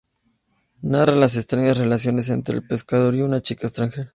Narra las extrañas relaciones entre un pescador y una chica extranjera.